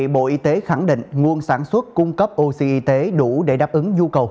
bộ y tế khẳng định nguồn sản xuất cung cấp oxy y tế đủ để đáp ứng nhu cầu